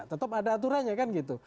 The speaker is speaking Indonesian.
tetap ada aturan ya kan gitu